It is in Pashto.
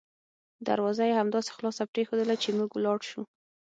دروازه یې همداسې خلاصه پریښودله چې موږ ولاړ شوو.